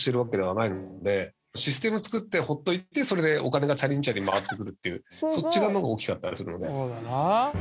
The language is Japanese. システム作って放っておいてそれでお金がチャリンチャリン回ってくるっていうそっち側の方が大きかったりするので。